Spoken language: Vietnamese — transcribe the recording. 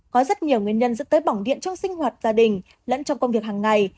có rất nhiều nguyên nhân dẫn tới bỏng điện trong sinh hoạt gia đình lẫn trong công việc hàng ngày